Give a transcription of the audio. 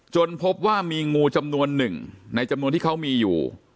พบว่ามีงูจำนวนหนึ่งในจำนวนที่เขามีอยู่